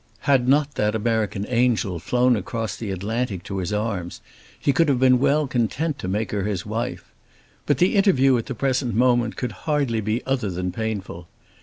Had not that American angel flown across the Atlantic to his arms he could have been well content to make her his wife. But the interview at the present moment could hardly be other than painful.